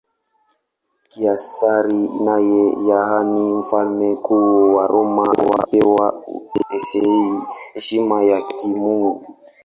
Kaisari naye, yaani Mfalme Mkuu wa Roma, alipewa heshima ya kimungu.